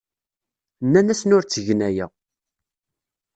Nnan-asen ur ttgen aya.